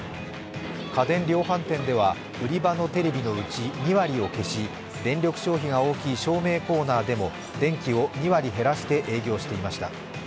家電量販店では売り場のテレビの内２割を消し電力消費が大きい照明コーナーでも電気を２割減らして営業していました。